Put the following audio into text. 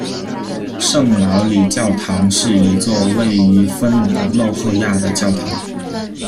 圣劳里教堂是一座位于芬兰洛赫亚的教堂。